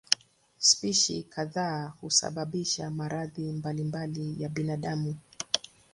Spishi kadhaa husababisha maradhi mbalimbali ya binadamu.